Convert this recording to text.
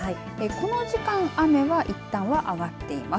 この時間は雨はいったんは上がっています。